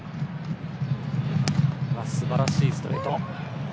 すばらしいストレート！